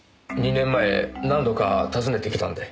２年前何度か訪ねてきたんで。